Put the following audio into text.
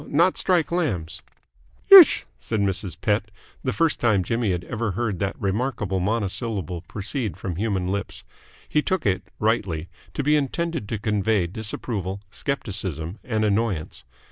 "Not strike lambs." "Isch," said Mrs. Pett the first time Jimmy had ever heard that remarkable monosyllable proceed from human lips. He took it rightly to be intended to convey disapproval, scepticism, and annoyance.